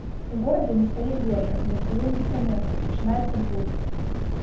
У горадзе не стае ежы, не стае медыкаментаў, пачынаецца бунт.